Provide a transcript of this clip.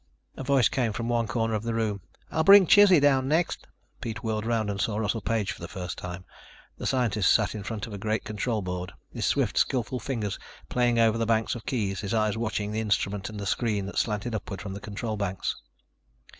A voice came from one corner of the room: "I'll bring Chizzy down next." Pete whirled around and saw Russell Page for the first time. The scientist sat in front of a great control board, his swift, skillful fingers playing over the banks of keys, his eyes watching the instrument and the screen that slanted upward from the control banks.